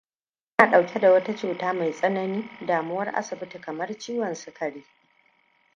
kuna dauke da wani cuta mai tsanani damuwar asibiti kammar ciwon sukari?